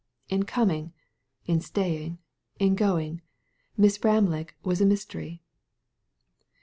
In coming, in staying, in going, Miss Ramlig was a mystery.